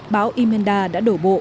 bão emenda đã đổ bộ